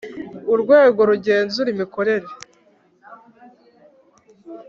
Urwego rugenzura imikorere